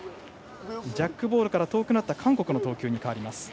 ジャックボールから遠くなった韓国の投球です。